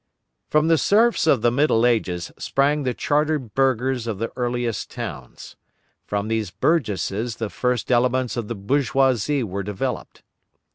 From the serfs of the Middle Ages sprang the chartered burghers of the earliest towns. From these burgesses the first elements of the bourgeoisie were developed.